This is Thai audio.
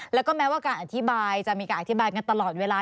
แล้วก็แม้ว่าการอธิบายจะมีการอธิบายกันตลอดเวลา